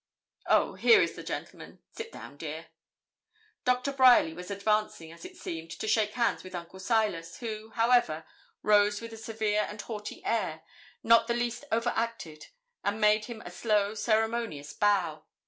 Oh, here is the gentleman. Sit down, dear.' Doctor Bryerly was advancing, as it seemed, to shake hands with Uncle Silas, who, however, rose with a severe and haughty air, not the least over acted, and made him a slow, ceremonious bow.